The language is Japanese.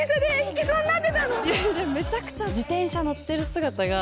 でもめちゃくちゃ。